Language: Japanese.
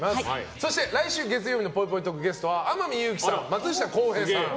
そして、来週月曜日のゲストは天海祐希さん、松下洸平さん。